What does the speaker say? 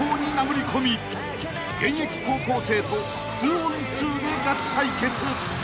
［現役高校生と２ｏｎ２でガチ対決！］